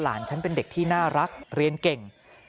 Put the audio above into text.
ฉันเป็นเด็กที่น่ารักเรียนเก่ง